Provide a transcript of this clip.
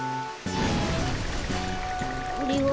これは？